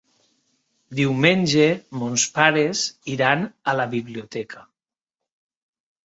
Diumenge mons pares iran a la biblioteca.